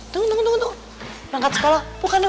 tunggu tunggu tunggu berangkat sekolah bukan udah